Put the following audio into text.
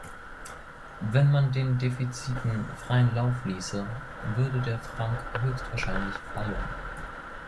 Wenn man den Defiziten freien Lauf ließe, würde der Franc höchstwahrscheinlich fallen.